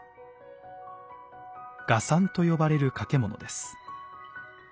画賛と呼ばれる掛物です。